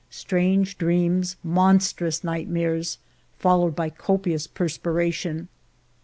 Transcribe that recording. Strange dreams, mon strous nightmares, followed by copious perspiration.